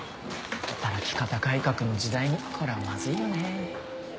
働き方改革の時代にこれはまずいよね。